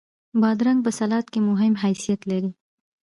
بادرنګ په سلاد کې مهم حیثیت لري.